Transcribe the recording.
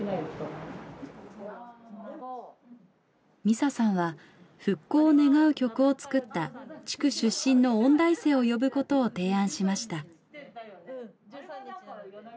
美佐さんは復興を願う曲を作った地区出身の音大生を呼ぶことを提案しました。